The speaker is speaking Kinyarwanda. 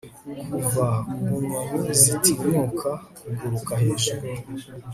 kuva ku nyoni zitinyuka kuguruka hejuru